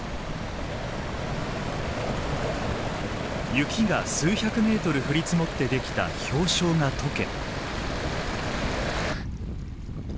雪が数百メートル降り積もって出来た氷床が解け。